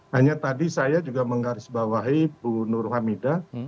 hanya tadi saya juga menggarisbawahi bu nur hamidah